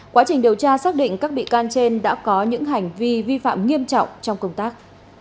quá trình điều tra xác định các bị can trên đã có những hành vi vi phạm nghiêm trọng trong công tác